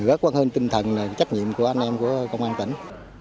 rất quan hơn tinh thần là trách nhiệm của anh em của công an tỉnh